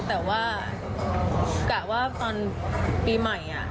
แต่ว่ากะว่าตอนปีใหม่